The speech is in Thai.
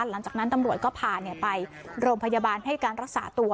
หลังจากนั้นตำรวจก็พาไปโรงพยาบาลให้การรักษาตัว